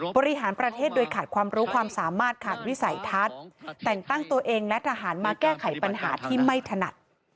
บริหารประเทศโดยขาดความรู้ความสามารถขาดวิสัยทัศน์แต่งตั้งตัวเองและทหารมาแก้ไขปัญหาที่ไม่ถนัด